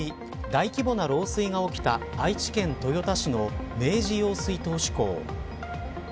大規模な漏水が起きた愛知県豊田市の明治用水頭首工。